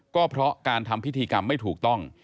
ก็เพราะการทำพิธีกรรมไม่ถูกต้อง